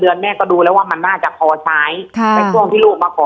เดือนแม่ก็ดูแล้วว่ามันน่าจะพอใช้ค่ะในช่วงที่ลูกมาขอ